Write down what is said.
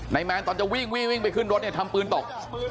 แมนตอนจะวิ่งวิ่งไปขึ้นรถเนี่ยทำปืนตก